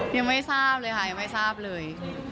ยังไม่ทราบเลยค่ะยังไม่ทราบเลย